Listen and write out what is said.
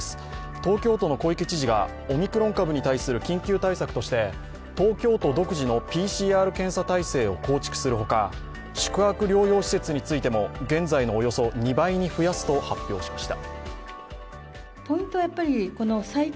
東京都の小池知事がオミクロン株に対する緊急対策として東京都独自のＰＣＲ検査体制を構築する他、宿泊療養施設についても現在のおよそ２倍に増やすと発表しました。